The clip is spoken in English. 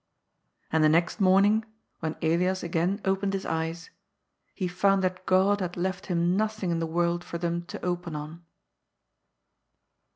And the next morning, when Elias again opened his eyes, he found that God had left him nothing in the world for them to open on.